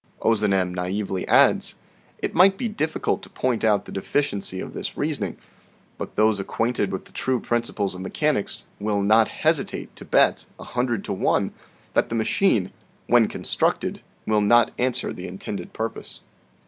Ozanam naively adds :" It might be difficult to point out the deficiency of this reasoning ; but those acquainted with the true principles of mechanics will not hesitate to bet a hundred to one, that the machine, when constructed, will not answer the intended purpose."